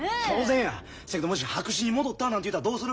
そやけどもし白紙に戻ったなんて言うたらどうする？